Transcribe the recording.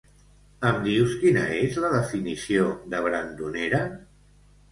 Em dius quina és la definició de brandonera?